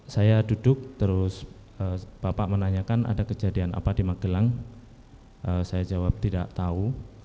saya duduk terus bapak menanyakan ada kejadian apa di magelang saya jawab tidak tahu